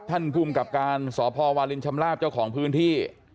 ภูมิกับการสพวาลินชำลาบเจ้าของพื้นที่